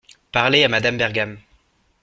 Parler à Madame Bergam.